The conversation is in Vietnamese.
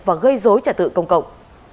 và gây dối trả tự công cộng